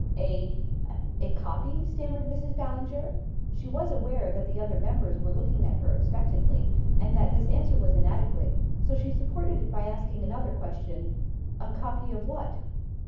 "A a copy?" stammered Mrs. Ballinger. She was aware that the other members were looking at her expectantly, and that this answer was inadequate, so she supported it by asking another question. "A copy of what?"